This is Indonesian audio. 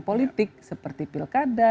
politik seperti pilkada